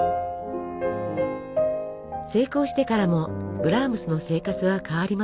成功してからもブラームスの生活は変わりませんでした。